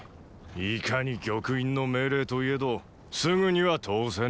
いかに玉印の命令といえどすぐには通せぬ。